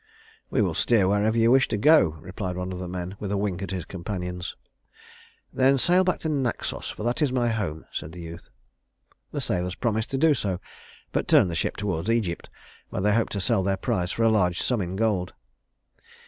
"We will steer wherever you wish to go," replied one of the men with a wink at his companions. "Then sail back to Naxos, for that is my home," said the youth. The sailors promised to do so, but turned the ship toward Egypt, where they hoped to sell their prize for a large sum in gold.